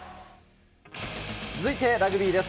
続いてラグビーです。